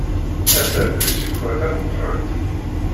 Aserdas yuker tamekḥelt.